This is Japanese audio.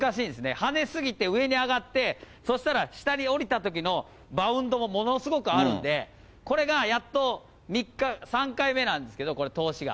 跳ね過ぎて上に上がって、そしたら、下に下りたときのバウンドもものすごくあるんで、これがやっと３回目なんですけど、これ、通しが。